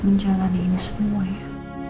menjalani ini semua ya